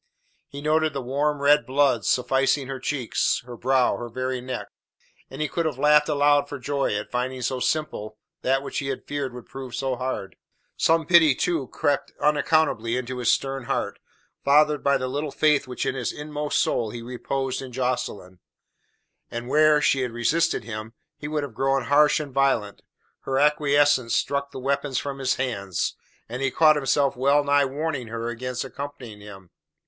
He noted the warm, red blood suffusing her cheeks, her brow, her very neck; and he could have laughed aloud for joy at finding so simple that which he had feared would prove so hard. Some pity, too, crept unaccountably into his stern heart, fathered by the little faith which in his inmost soul he reposed in Jocelyn. And where, had she resisted him, he would have grown harsh and violent, her acquiescence struck the weapons from his hands, and he caught himself well nigh warning her against accompanying him.